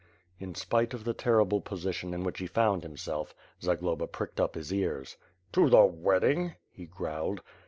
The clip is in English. In spite of the terrible position in which he found himself, Zagloba pricked up his ears: "To the wedding?" he growled.